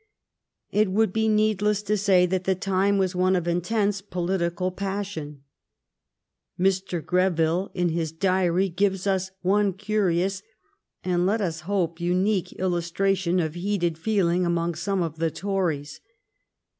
It would be needless to say that the time was one of intense political pas sion. Mr. Greville, in his diary, gives us one curi ous and, let us hope, unique illustration of heated feeling among some of the Tories.